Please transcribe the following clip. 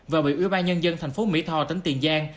và bị ủy ban nhân dân thành phố mỹ tho tỉnh tiền giang